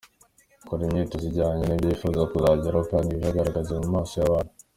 Kora imyitozo ijyanye n’ibyo wifuza kuzageraho kandi wigaragaze mu maso y’abantu.